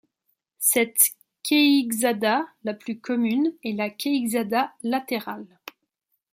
Cette queixada, la plus commune, est la queixada lateral.